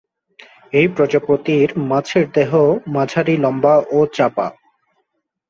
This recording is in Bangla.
এই প্রজাতির মাছের দেহ মাঝারি লম্বা ও চাপা।